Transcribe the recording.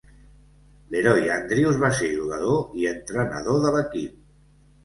LeRoy Andrews va ser jugador i entrenador de l'equip.